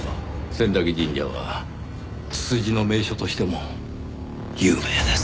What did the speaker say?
千駄木神社はツツジの名所としても有名です。